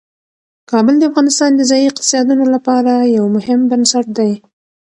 کابل د افغانستان د ځایي اقتصادونو لپاره یو مهم بنسټ دی.